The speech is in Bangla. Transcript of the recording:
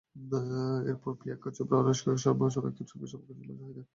এরপর অবশ্য প্রিয়াঙ্কা চোপড়া, আনুশকা শর্মা, সোনাক্ষীর সঙ্গেও সম্পর্ক তৈরি হয়েছিল শহিদের।